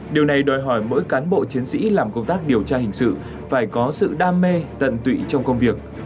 điều này đòi hỏi mỗi cán bộ chiến sĩ làm công tác điều tra hình sự phải có sự đam mê tận tụy trong công việc